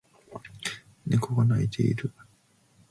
猫が鳴いている